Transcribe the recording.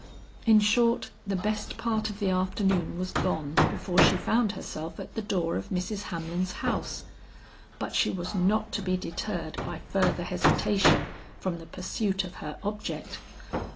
In short the best part of the afternoon was gone before she found herself at the door of Mrs. Hamlin's house. But she was not to be deterred by further hesitation from the pursuit of her object.